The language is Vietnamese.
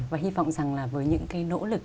và hy vọng rằng là với những cái nỗ lực